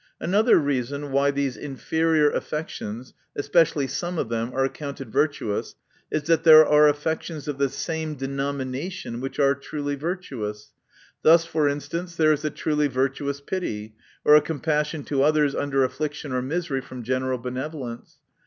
Another reason why these inferior affections, especially some of them, are accounted virtuous, is, that there are affections of the same denomination, which are truly virtuous. — Thus, for instance, there is a truly virtuous pity, or a com passion to others under affliction or misery from general benevolence.